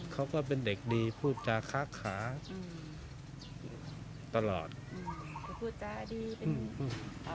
เขาก็เป็นเด็กดีพูดจาค้าขาอืมตลอดอืมเขาพูดจาดีเป็นอืม